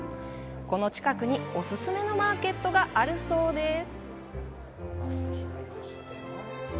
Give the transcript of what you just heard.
この近くにオススメのマーケットがあるそうです。